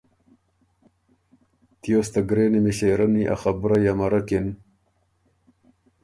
تیوس ته ګرېنی مݭېرنی ا خبُرئ امرک اِن۔